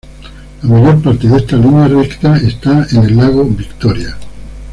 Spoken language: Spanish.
La mayor parte de esta línea recta está en el lago Victoria.